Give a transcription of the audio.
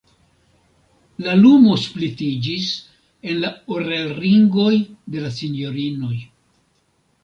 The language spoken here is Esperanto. La lumo splitiĝis en la orelringoj de la sinjorinoj.